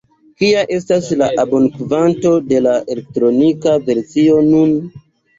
Kia estas la abonkvanto de la elektronika versio nun?